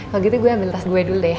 kalo gitu gue ambil tas gue dulu deh ya